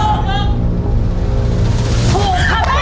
ถูก